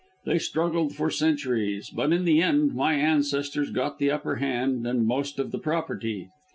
They struggled for centuries, but in the end my ancestors got the upper hand, and most of the property.